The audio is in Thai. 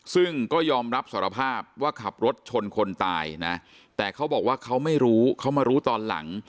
ซึ่งก็ยอมรับสารภาพว่าขับรถชนคนตายนะแต่เขาบอกว่าเขาไม่รู้เขามารู้ตอนหลัง